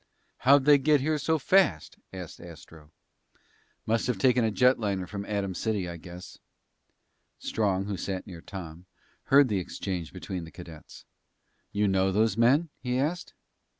"How'd they get here so fast?" asked Astro. "Must have taken a jetliner from Atom City, I guess." Strong, who sat near Tom, heard the exchange between the cadets. "You know those men?" he asked.